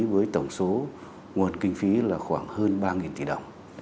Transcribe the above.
với tổng số nguồn kinh phí là khoảng hơn ba tỷ đồng